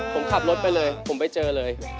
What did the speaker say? ผมขับรถไปเลยผมไปเจอเลย